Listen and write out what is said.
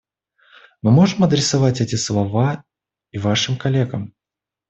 Мы может адресовать эти слова и Вашим коллегам.